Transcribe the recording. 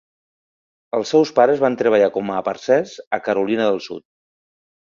Els seus pares van treballar com a parcers a Carolina del Sud.